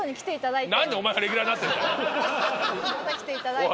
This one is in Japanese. また来ていただいて。